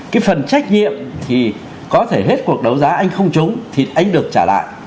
cái phần trách nhiệm thì có thể hết cuộc đấu giá anh không trúng thì anh được trả lại